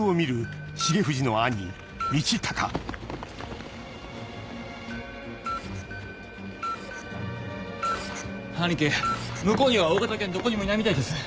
兄貴向こうには大型犬どこにもいないみたいです。